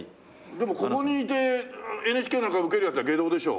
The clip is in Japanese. でもここにいてＮＨＫなんか受けるヤツは外道でしょ。